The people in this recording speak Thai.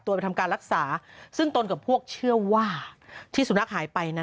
ไปทำการรักษาซึ่งตนกับพวกเชื่อว่าที่สุนัขหายไปนะ